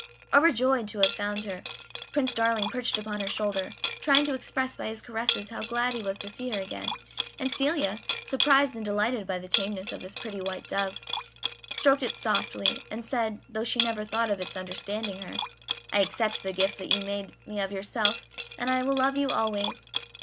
Overjoyed to have found her, Prince Darling perched upon her shoulder, trying to express by his caresses how glad he was to see her again, and Celia, surprised and delighted by the tameness of this pretty white dove, stroked it softly, and said, though she never thought of its understanding her: "I accept the gift that you make me of yourself, and I will love you always."